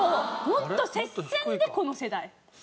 もっと接戦でこの世代。